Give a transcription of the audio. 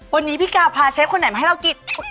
วันนี้พี่กาวพาเชฟคนไหนมาให้เรากิน